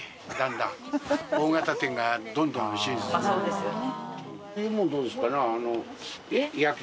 そうですよね。